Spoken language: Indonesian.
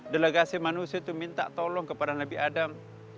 delegasi manusia itu minta tolong kepada nabi adam